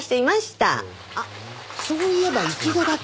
あっそういえば一度だけ。